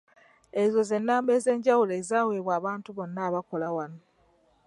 Ezo ze nnamba ez'enjawulo ezaweebwa abantu bonna abakola wano.